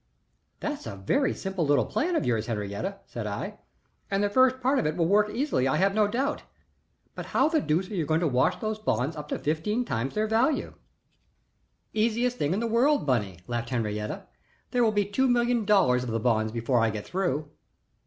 "That's a very simple little plan of yours, Henriette," said I, "and the first part of it will work easily I have no doubt; but how the deuce are you going to wash those bonds up to fifteen times their value?" "Easiest thing in the world, Bunny," laughed Henriette. "There will be two million dollars of the bonds before I get through."